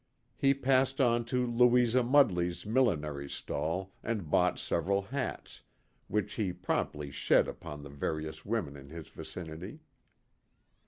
He passed on to Louisa Mudley's millinery stall and bought several hats, which he promptly shed upon the various women in his vicinity.